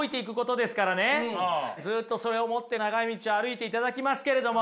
ずっとそれを持って長い道を歩いていただきますけれども。